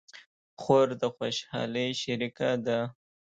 خور د خوشحالۍ شریکه ده.